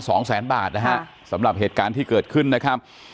สองแสนบาทนะฮะสำหรับเหตุการณ์ที่เกิดขึ้นนะครับ